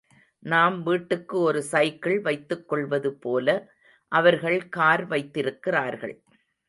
நாம் வீட்டுக்கு ஒரு சைக்கிள் வைத்துக்கொள்வது போல அவர்கள் கார் வைத்திருக்கிறார்கள்.